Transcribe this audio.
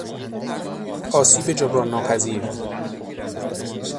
آسیب جبران ناپذیر